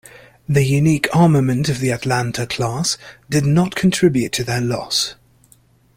The unique armament of the "Atlanta" class did not contribute to their loss.